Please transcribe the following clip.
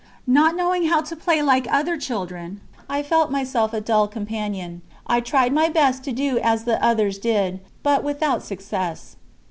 Not knowing how to play like other children, I felt myself a dull companion. I tried my best to do as the others did, but without success.